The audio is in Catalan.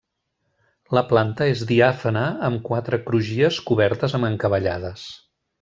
La planta és diàfana, amb quatre crugies cobertes amb encavallades.